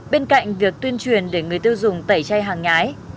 bên cạnh việc tuyên truyền để người tiêu dùng tẩy chay hàng nhái